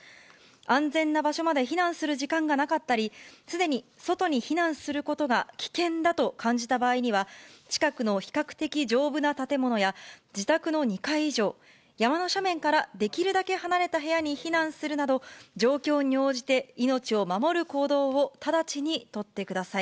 安全な場所まで避難する時間がなかったり、すでに外に避難することが危険だと感じた場合には、近くの比較的丈夫な建物や、自宅の２階以上、山の斜面からできるだけ離れた部屋に避難するなど、状況に応じて命を守る行動を直ちに取ってください。